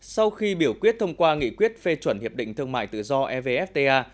sau khi biểu quyết thông qua nghị quyết phê chuẩn hiệp định thương mại tự do evfta